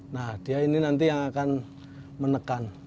nah dia ini nanti yang akan menekan